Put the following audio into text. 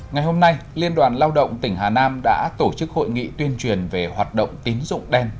ngày hôm nay liên đoàn lao động tỉnh hà nam đã tổ chức hội nghị tuyên truyền về hoạt động tín dụng đen